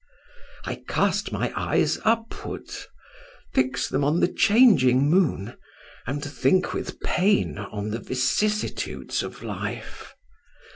I cast my eyes upwards, fix them on the changing moon, and think with pain on the vicissitudes of life.